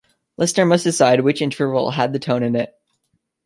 Listener must decide which interval had the tone in it.